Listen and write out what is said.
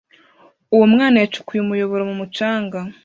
Uwo mwana yacukuye umuyoboro mu mucanga.